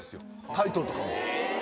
タイトルとかも。